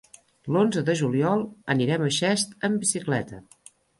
L'onze de juliol anirem a Xest amb bicicleta.